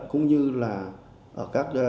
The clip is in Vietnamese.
cũng như là ở các địa bàn